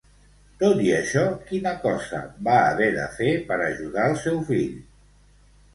Tot i això, quina cosa va haver de fer per ajudar el seu fill?